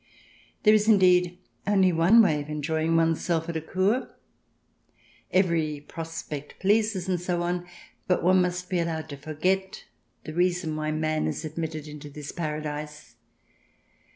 There is, indeed, only one way of enjoying one self at a Kur. Every prospect pleases, and so on. But one must be allowed to forget the reason why man is admitted into this paradise.